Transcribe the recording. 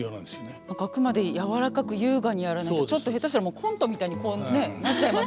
あくまで柔らかく優雅にやらないとちょっと下手したらコントみたいにこうねなっちゃいますもんね。